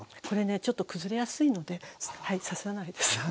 これねちょっと崩れやすいので刺さないです。